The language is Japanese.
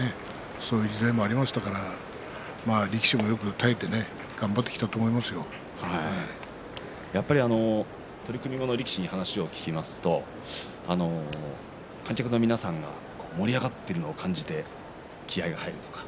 そういう時代もありましたから力士もよく耐えて取組後の力士に話を聞きますと観客の皆さんが盛り上がっているのを感じて気合いが入るとか。